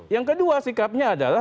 yang kedua sikapnya adalah